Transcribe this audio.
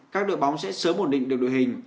các đội bóng sẽ sớm ổn định được đội hình